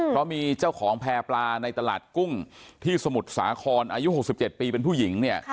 เพราะมีเจ้าของแพร่ปลาในตลาดกุ้งที่สมุทรสาครอายุ๖๗ปีเป็นผู้หญิงเนี่ย